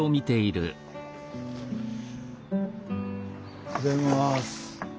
おはようございます。